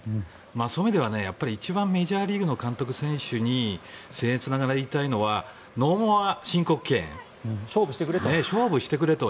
そういう意味では一番メジャーリーグの監督、選手にせん越ながら言いたいのは勝負してくれと。